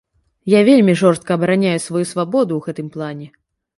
Я вельмі жорстка абараняю сваю свабоду ў гэтым плане.